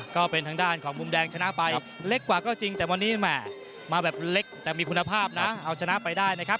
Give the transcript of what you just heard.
ก็เป็นทางด้านของมุมแดงชนะไปเล็กกว่าก็จริงแต่วันนี้แหม่มาแบบเล็กแต่มีคุณภาพนะเอาชนะไปได้นะครับ